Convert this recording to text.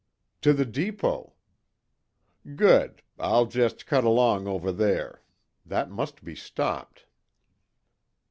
"To the depot." "Good. I'll just cut along over there. That must be stopped."